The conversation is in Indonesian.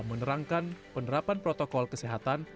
menerangkan penerapan protokol kesehatan